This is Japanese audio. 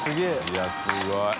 いやすごい。